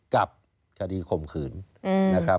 กับคดีข่มขืนนะครับ